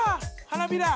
花びら！